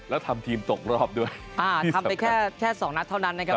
แล้วทำทีมตกรอบด้วยอ่าทำไปแค่แค่สองนัดเท่านั้นนะครับ